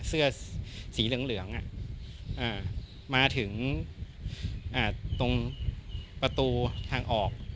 เสื้อสีเหลืองเหลืองอ่ะอ่ามาถึงอ่าตรงประตูทางออก